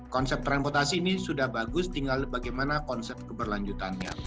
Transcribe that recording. konsep transportasi ini sudah bagus tinggal bagaimana konsep keberlanjutannya